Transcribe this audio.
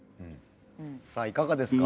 さあいかがですか？